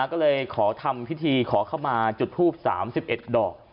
ก็เลยขอทำพิธีขอเข้ามาจุดทูป๓๑ดอก